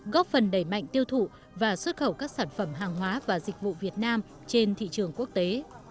góp phần đẩy mạnh tiêu thụ và xuất khẩu các sản phẩm hàng hóa và dịch vụ việt nam trên thị trường quốc tế